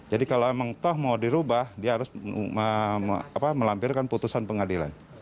jadi kalau memang toh mau dirubah dia harus melampirkan putusan pengadilan